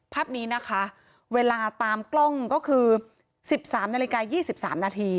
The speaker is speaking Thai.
ภาพนี้นะคะเวลาตามกล้องก็คือ๑๓นาฬิกา๒๓นาที